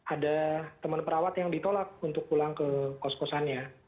ada teman perawat yang ditolak untuk pulang ke kos kosannya